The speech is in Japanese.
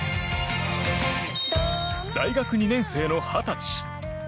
大学２年生の２０歳。